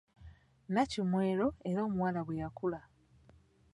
Nnakimwero era omuwala bwe yakula.